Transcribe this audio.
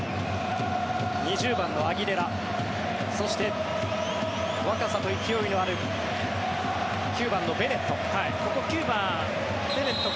２０番のアギレラそして若さと勢いのある９番のベネット。